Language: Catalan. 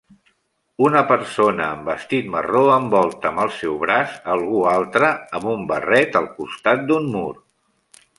Una persona amb vestit marró envolta amb el seu braç algú altre amb un barret al costat d'un mur.